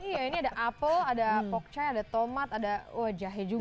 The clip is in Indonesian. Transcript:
iya ini ada apel ada pokcai ada tomat ada oh jahe juga